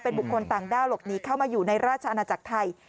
บุคคลต่างด้าวหลบหนีเข้ามาอยู่ในราชอาณาจักรไทย